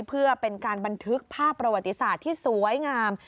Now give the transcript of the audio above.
เพื่อเป็นการบันทึกภาพประวัติศาสตร์ที่สวยงาม